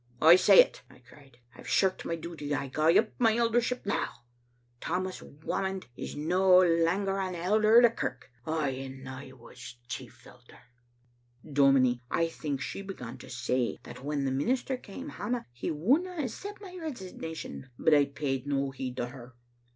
" *I say it, ' I cried. 'I've shirked my duty. I gie up my eldership now. Tammas Whamond is no langer an elder o' the kirk;' ay, and I was chief elder. " Dominie, I think she began to say that when the minister came hame he wouldna accept my resignation, but I paid no heed to her.